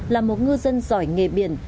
là một ngư dân giỏi nghề biển